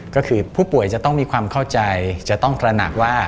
ก็คือผู้ป่วยจะต้องมีความเข้าใจจะต้องตระหนักว่า